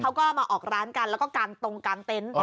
เขาก็มาออกร้านกันแล้วก็กางตรงกลางเต็นต์